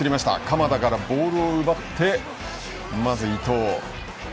鎌田からボールを奪って伊東。